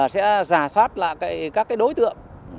sẽ giả soát lại các cái đối tượng